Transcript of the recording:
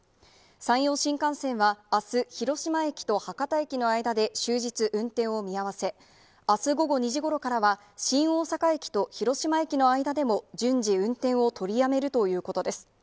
山陽新幹線は、あす広島駅と博多駅の間で終日、運転を見合わせ、あす午後２時ごろからは、新大阪駅と広島駅の間でも順次、運転を取りやめるということです。